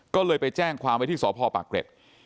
ก็เลยไปแจ้งความไว้ที่สพปากเกร็ด